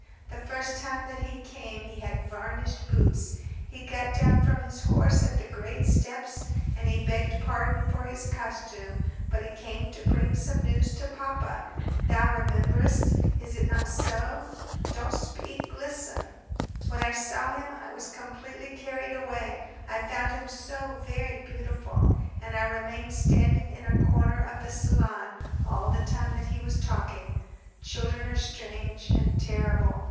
The first time that he came he had varnished boots. He got down from his horse at the great steps, and he begged pardon for his costume, but he came to bring some news to papa. Thou rememberest, is it not so? Don't speak listen. When I saw him I was completely carried away, I found him so very beautiful; and I remained standing in a corner of the salon all the time that he was talking. Children are strange ... and terrible.